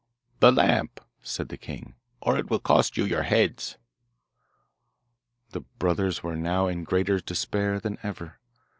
'The lamp!' said the king, 'or it will cost you your heads.' The brothers were now in greater despair than ever.